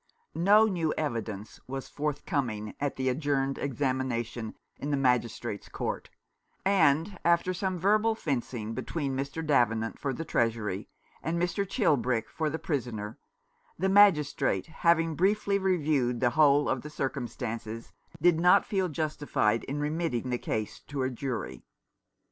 No new evidence was forthcoming at the ad journed examination in the Magistrate's Court, and, after some verbal fencing between Mr. Davenant, for the Treasury, and Mr. Chilbrick, for the prisoner, the Magistrate, having briefly reviewed the whole of the circumstances, did not feel justified in remitting the case to a jury.